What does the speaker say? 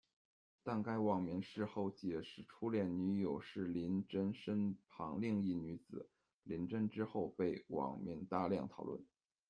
但该网民事后解释初恋女友是林真身旁另一女子，林真之后被网民大量讨论。